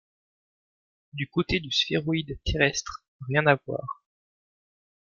Du côté du sphéroïde terrestre, rien à voir.